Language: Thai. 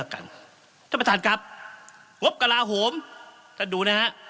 ท่านประธานครับงบกระลาโหมท่านดูนะฮะ